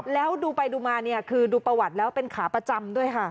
แล้วดูไปดูมาเนี่ยคือดูประวัติแล้วเป็นขาประจำด้วยค่ะ